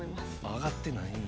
上がってないんや。